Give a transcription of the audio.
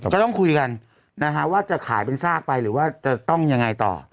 ก็ต้องคุยกันนะฮะว่าจะขายเป็นซากไปหรือว่าจะต้องยังไงต่อ